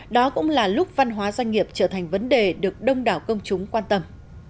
đó cũng là lúc văn hóa doanh nghiệp trở thành vấn đề được đông đảo công chúng quan tâm